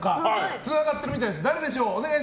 つながってるみたいです。